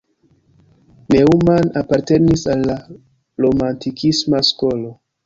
Neumann apartenis al la romantikisma skolo.